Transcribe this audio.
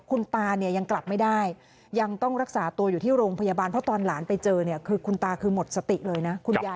คุณตาเนี่ยยังกลับไม่ได้ยังต้องรักษาตัวอยู่ที่โรงพยาบาลเพราะตอนหลานไปเจอเนี่ยคือคุณตาคือหมดสติเลยนะคุณยาย